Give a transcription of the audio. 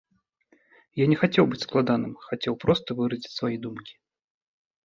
Я не хацеў быць складаным, хацеў проста выразіць свае думкі.